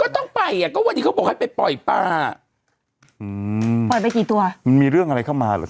ต้องไปอ่ะก็วันนี้เขาบอกให้ไปปล่อยปลาอืมปล่อยไปกี่ตัวมันมีเรื่องอะไรเข้ามาเหรอ